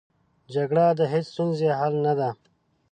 جګړه د هېڅ ستونزې حل نه ده